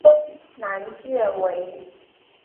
南界为。